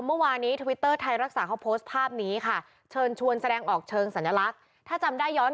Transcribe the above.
ไม่มีอะไรนะเพราะร้องการมือยังไม่ทราบอะไรเลย